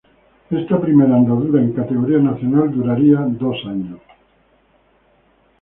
Esta primera andadura en categoría Nacional duraría dos años.